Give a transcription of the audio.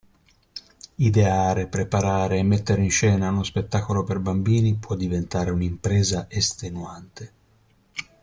Ideare, preparare e mettere in scena uno spettacolo per bambini può diventare un'impresa estenuante.